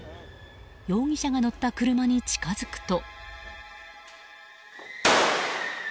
容疑者が乗った車に近づくと。